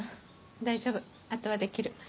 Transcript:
大丈夫あとはできる